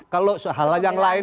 kalau hal hal yang lain